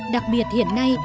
đặc biệt hiện nay